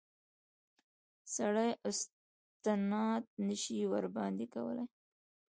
سړی استناد نه شي ورباندې کولای.